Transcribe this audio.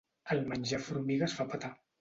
El menjar formigues fa petar.